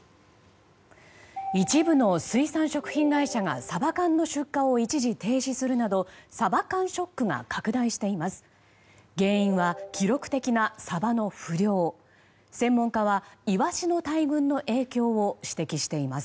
一部の水産食品会社がサバ缶の出荷を一時停止するなどサバ缶ショックが拡大しています。